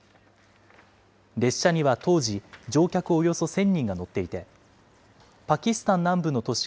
列車には当時、乗客およそ１０００人が乗っていて、パキスタン南部の都市